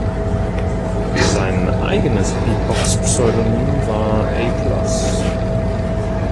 Sein eigenes Beatbox-Pseudonym war A-Plus.